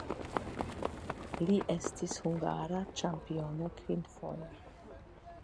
Li estis hungara ĉampiono kvinfoje.